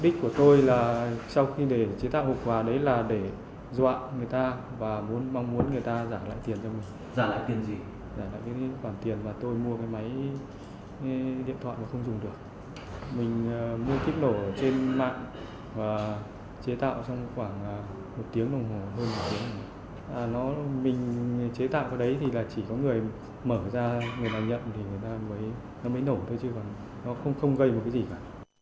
chỉ có người mở ra người đàn nhận thì người ta mới nổ thôi chứ không gây một cái gì cả